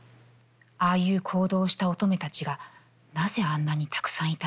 ああいう行動をした乙女たちがなぜあんなにたくさんいたのか？